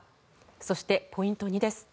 そしてポイント２です。